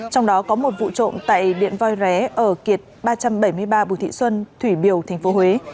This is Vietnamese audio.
trong đó có một vụ trộm tại điện voi ré ở kiệt ba trăm bảy mươi ba bùi thị xuân thủy biều tp huế